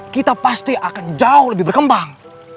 kita pasti akan jauh lebih berkembang